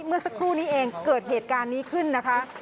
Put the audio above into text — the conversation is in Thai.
เมื่อสักครู่นี้เองเกิดเหตุการณ์นี้ขึ้นนะคะ